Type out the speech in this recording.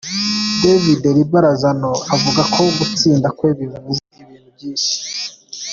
David Riba Lozano avuga ko gutsinda kwe bivuze ibintu byinshi.